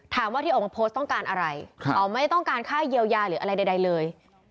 ถามว่าที่ออกมาโพสต์ต้องการอะไรออกมาไม่ต้องการค่าเยียวยาหรืออะไรใดเลย